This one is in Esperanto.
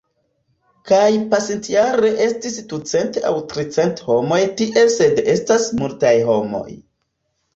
Kaj pasintjare estis ducent aŭ tricent homoj tie sed estas multaj homoj.